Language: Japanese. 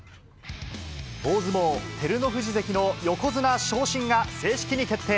大相撲、照ノ富士関の横綱昇進が正式に決定。